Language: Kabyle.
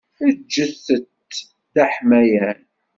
Eǧǧet-t d aḥmayan.